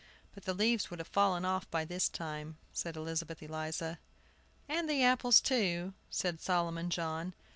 "But the leaves would have fallen off by this time," said Elizabeth Eliza. "And the apples, too," said Solomon John.